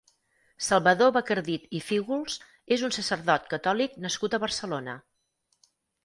Salvador Bacardit i Fígols és un sacerdot catòlic nascut a Barcelona.